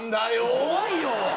怖いよ。